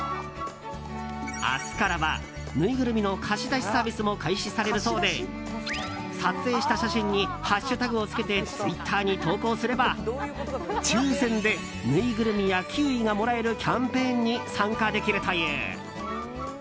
明日からはぬいぐるみの貸し出しサービスも開始されるそうで撮影した写真にハッシュタグを付けてツイッターに投稿すれば抽選でぬいぐるみやキウイがもらえるキャンペーンに参加できるという。